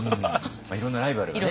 いろんなライバルがね